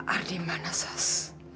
ardi mana sas